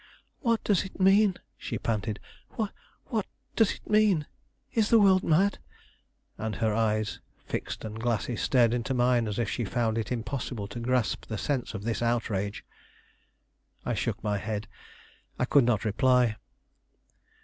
"What does it mean?" she panted; "what, what does it mean? Is the world mad?" and her eyes, fixed and glassy, stared into mine as if she found it impossible to grasp the sense of this outrage. I shook my head. I could not reply.